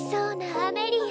アメリア！